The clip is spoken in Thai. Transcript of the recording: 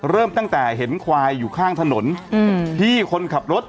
เริ่มตั้งแต่เห็นควายอยู่ข้างถนนที่คนขับรถ